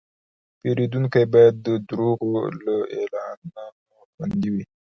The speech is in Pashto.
پیرودونکی باید د دروغو له اعلانونو خوندي وي.